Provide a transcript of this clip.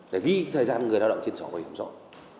để ghi thời gian người lao động trên sổ bảo hiểm xã hội